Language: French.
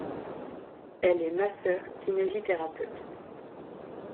Elle est masseur- kinésithérapeute.